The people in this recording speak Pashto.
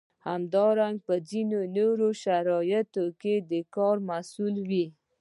همدارنګه په ځینو نورو شرایطو کې د کار محصول وي.